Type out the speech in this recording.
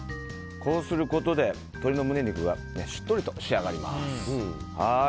こうすることで鶏の胸肉がしっかりと仕上がります。